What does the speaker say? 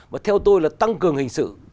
mà theo tôi là tăng cường hình sự